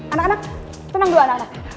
anak anak tenang dulu anak anak